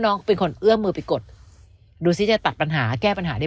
น้องเป็นคนเอื้อมมือไปกดดูซิจะตัดปัญหาแก้ปัญหาได้